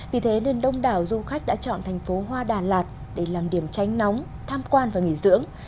vì thế nên đông đảo du khách đã chọn thành phố hoa đà lạt để làm điểm tránh nóng tham quan và nghỉ dưỡng